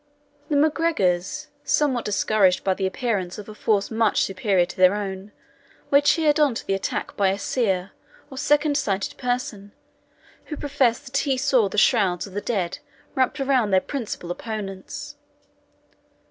The MacGregors, somewhat discouraged by the appearance of a force much superior to their own, were cheered on to the attack by a Seer, or second sighted person, who professed that he saw the shrouds of the dead wrapt around their principal opponents.